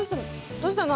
どうしたの？